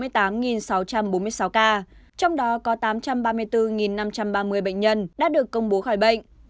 trong đó có tám trăm ba mươi bốn năm trăm ba mươi bệnh nhân đã được công bố khỏi bệnh